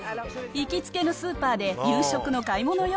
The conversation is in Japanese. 行きつけのスーパーで夕食の買い物よ。